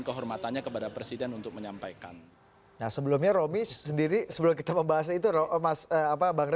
jelang penutupan pendaftaran